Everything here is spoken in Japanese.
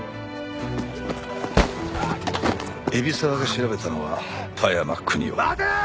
海老沢が調べたのは田山邦夫。